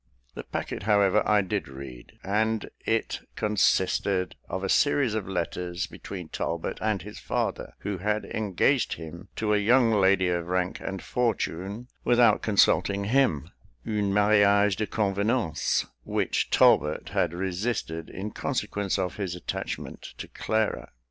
The packet, however, I did read; and it consisted of a series of letters between Talbot and his father, who had engaged him to a young lady of rank and fortune, without consulting him une mariage de convenance which Talbot had resisted in consequence of his attachment to Clara.